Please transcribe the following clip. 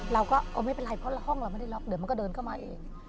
เราก็ไม่เป็นไรเพราะห้องเราไม่ได้ล็อกเดี๋ยวมันก็เดินเข้ามาเอง